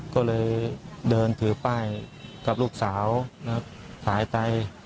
ก็เลยเดินถือป้ายกับลูกสาวนะครับขายไต้